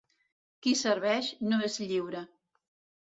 Qui serveix no és lliure.